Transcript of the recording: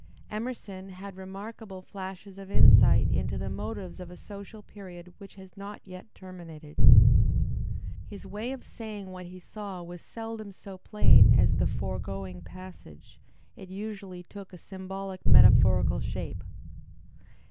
Emerson had remarkable flashes of insight into the motives of a social period which has not yet terminated. His way of saying what he saw was seldom so plain as the foregoing passage; it usually took a symbolic metaphorical shape.